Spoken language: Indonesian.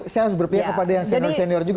saya harus berpihak kepada yang senior senior juga